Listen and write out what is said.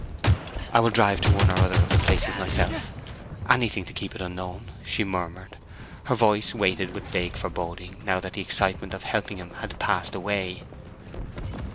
"I will drive to one or other of the places myself—anything to keep it unknown," she murmured, her voice weighted with vague foreboding, now that the excitement of helping him had passed away.